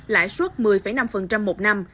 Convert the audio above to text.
lãi suất một mươi năm một năm